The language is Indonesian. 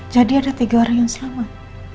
jadi ada tiga orang yang selamat